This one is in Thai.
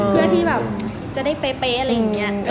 เพื่อที่แบบจะได้เป๊ะอะไรอย่างนี้